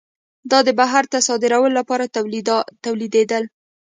دا د بهر ته صادراتو لپاره تولیدېدل.